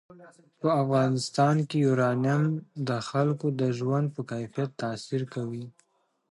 په افغانستان کې یورانیم د خلکو د ژوند په کیفیت تاثیر کوي.